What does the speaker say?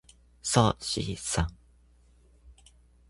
っそしっさん。